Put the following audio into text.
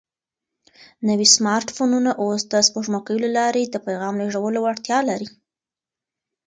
نوي سمارټ فونونه اوس د سپوږمکیو له لارې د پیغام لېږلو وړتیا لري.